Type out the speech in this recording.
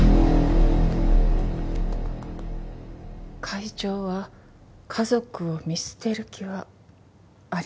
「会長は家族を見捨てる気はありません」